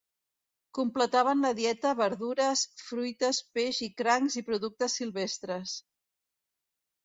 Completaven la dieta, verdures, fruites, peix i crancs, i productes silvestres.